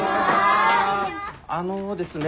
あのですね